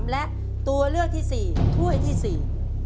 และตัวเลือกที่๔ถ้วยที่๔